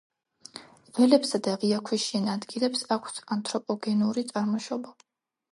ველებსა და ღია ქვიშიან ადგილებს აქვთ ანთროპოგენური წარმოშობა.